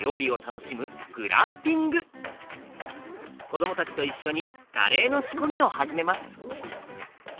子どもたちと一緒にカレーの仕込みを始めます。